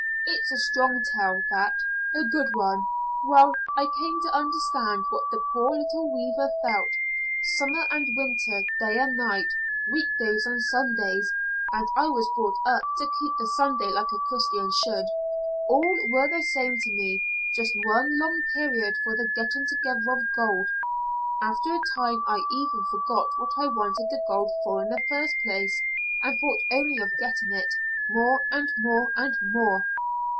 It's a strong tale, that. A good one. Well, I came to understand what the poor little weaver felt. Summer and winter, day and night, week days and Sundays and I was brought up to keep the Sunday like a Christian should all were the same to me, just one long period for the getting together of gold. After a time I even forgot what I wanted the gold for in the first place, and thought only of getting it, more and more and more.